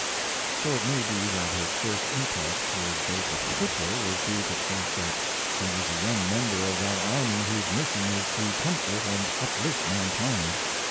So it may be that his first impulse toward Joseph Twichell was due to the fact that he was a young member of that army whose mission is to comfort and uplift mankind.